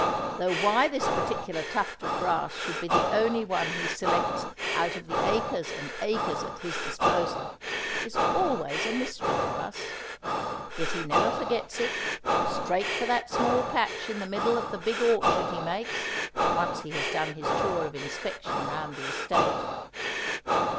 Though why this particular tuft of grass should be the only one he selects out of the acres and acres at his disposal, is always a mystery to us. Yet he never forgets it; straight for that small patch in the middle of the big orchard he makes, once he has done his tour of inspection round the estate.